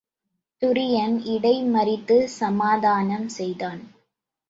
துரியன் இடை மறித்துச்சமாதானம் செய்தான்.